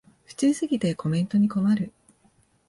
普通すぎてコメントに困る